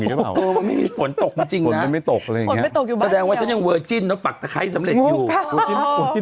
รึเปล่าเออมันไม่ฝนตกจริงฟนไม่ตกอยู่บ้านแสดงว่าฉันยังเอาตะไคร้สำเร็จอยู่